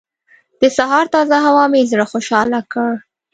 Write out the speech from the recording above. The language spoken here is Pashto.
د سهار تازه هوا مې زړه خوشحاله کړ.